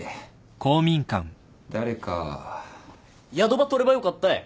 宿ば取ればよかったい。